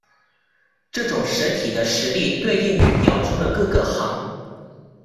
这种实体的实例对应于表中的各个行。